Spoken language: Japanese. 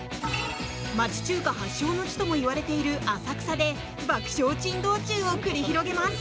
町中華発祥の地ともいわれている浅草で爆笑珍道中を繰り広げます。